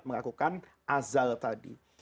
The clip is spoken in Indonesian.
melakukan azal tadi